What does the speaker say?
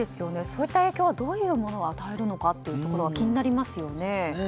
そういった影響はどういうものを与えるのかというのは気になりますよね。